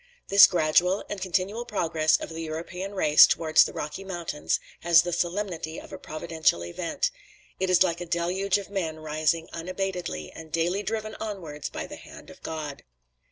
This gradual and continuous progress of the European race towards the Rocky Mountains has the solemnity of a Providential event: it is like a deluge of men rising unabatedly, and daily driven onwards by the hand of God.